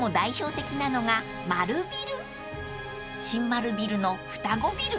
［新丸ビルの双子ビル］